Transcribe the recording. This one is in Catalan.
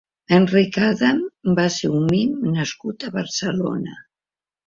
Enric Adams va ser un mim nascut a Barcelona.